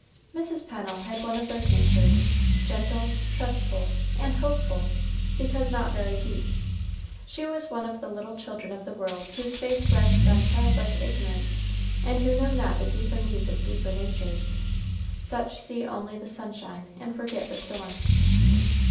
Mrs. Pennel had one of those natures gentle, trustful, and hopeful, because not very deep; she was one of the little children of the world whose faith rests on child like ignorance, and who know not the deeper needs of deeper natures; such see only the sunshine and forget the storm.